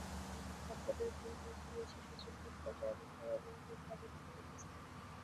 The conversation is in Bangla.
ভক্তদের ফুল পৌঁছে গিয়েছিল সুচিত্রার ফ্ল্যাটে এবং পারলৌকিক কাজের নির্ধারিত স্থানে।